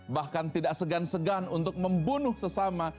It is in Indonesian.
bahkan tidak segan segan untuk membunuh sesama